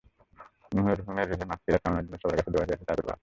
মরহুমের রুহের মাগফিরাত কামনার জন্য সবার কাছে দোয়া চেয়েছে তাঁর পরিবার।